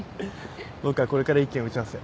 僕はこれから１件打ち合わせ。